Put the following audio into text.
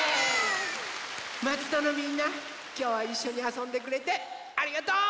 まつどのみんなきょうはいっしょにあそんでくれてありがとう！